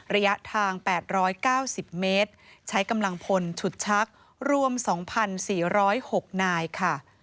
ระยะทางแปดร้อยเก้าสิบเมตรใช้กำลังพลฉุดชักรวมสองพันสี่ร้อยหกนายค่ะ